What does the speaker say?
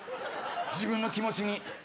自分の気持ちに。